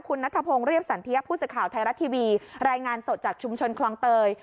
คุณนัทพงศ์เรียบสันเทียผู้สื่อข่าวไทยรัฐทีวีรายงานสดจากชุมชนคลองเตย